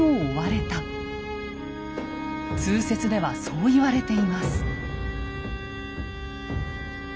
通説ではそう言われています。